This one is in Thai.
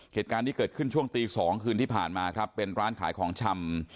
เหตุการณ์นี้เกิดขึ้นช่วงตี๒คืนที่ผ่านมาครับเป็นร้านขายของชำ